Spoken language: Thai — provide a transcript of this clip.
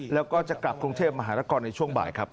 แล้วก็จะกลับกรุงเทพมหานครในช่วงบ่ายครับ